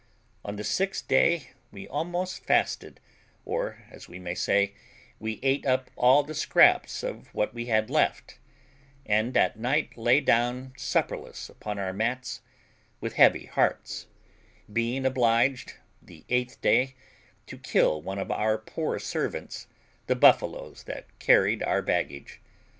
On the sixth day we almost fasted, or, as we may say, we ate up all the scraps of what we had left, and at night lay down supperless upon our mats, with heavy hearts, being obliged the eighth day to kill one of our poor faithful servants, the buffaloes that carried our baggage.